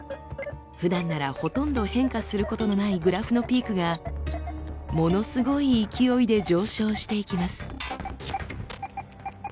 ふだんならほとんど変化することのないグラフのピークがものすごい勢いで上昇していきます。